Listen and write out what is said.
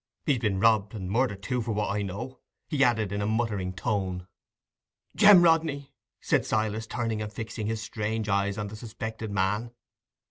"He's been robbed, and murdered too, for what I know," he added, in a muttering tone. "Jem Rodney!" said Silas, turning and fixing his strange eyes on the suspected man.